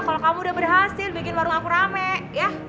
kalau kamu udah berhasil bikin warung aku rame ya